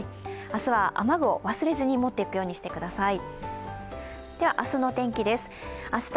明日は雨具を忘れずに持っていくようにしてください。